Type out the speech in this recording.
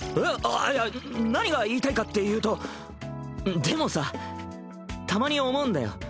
あっいや何が言いたいかっていうとでもさたまに思うんだよ